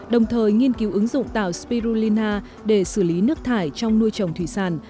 đồng thời nghiên cứu ứng dụng tàu spirulina để xử lý nước thải trong nuôi trồng thủy sản